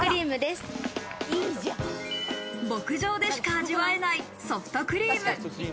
牧場でしか味わえないソフトクリーム。